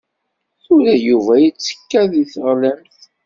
Tura Yuba yettekka deg teɣlamt.